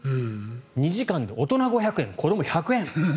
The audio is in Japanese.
２時間で大人５００円、子ども１００円。